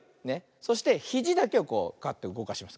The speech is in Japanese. そしてひじだけをこうガッてうごかします